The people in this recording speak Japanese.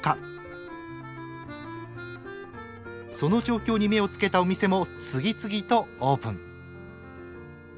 その状況に目をつけたお店も次々とオープン。